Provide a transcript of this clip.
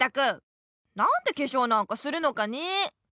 なんでけしょうなんかするのかねえ。